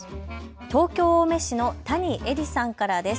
東京青梅市の谷恵里さんからです。